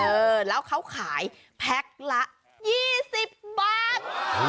เออแล้วเขาขายแพ็คละ๒๐บาท